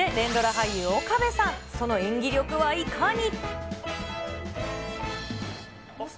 俳優、岡部さん、その演技力はいかに。